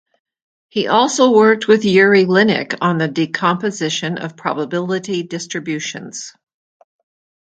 He also worked with Yuri Linnik on the decomposition of probability distributions.